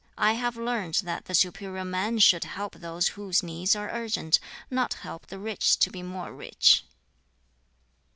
I have learnt that the 'superior man' should help those whose needs are urgent, not help the rich to be more rich."